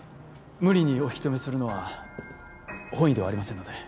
無理にお引き止めするのは本意ではありませんので